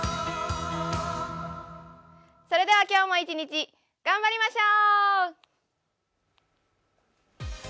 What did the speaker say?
それでは、今日も一日頑張りましょう。